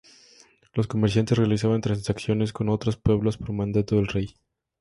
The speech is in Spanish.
Los comerciantes realizaban transacciones con otros pueblos por mandato del rey.